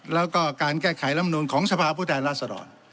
แล้วก็การแก้ไขล้ลำนูนของสภาพุทธแหล่นรัฐสรรค์